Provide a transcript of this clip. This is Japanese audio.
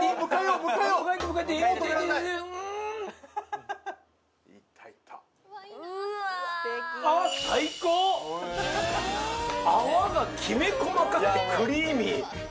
うーん泡がきめ細かくてクリーミー！